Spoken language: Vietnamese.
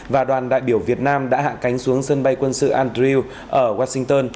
và đoàn đại biểu việt nam đã hạ cánh xuống sân bay quân sự andrew ở washington